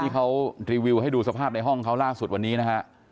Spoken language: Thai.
ที่เขารีวิวให้ดูสภาพในห้องเขาล่าสุดวันนี้นะฮะ